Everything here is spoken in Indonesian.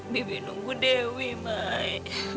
bibi nunggu dewi mai